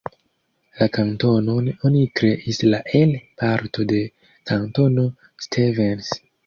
La kantonon oni kreis la el parto de Kantono Stevens.